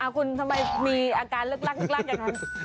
คุณทำไมมีอาการลึกลักอย่างนั้น